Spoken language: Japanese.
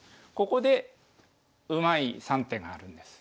ここでうまい３手があるんです。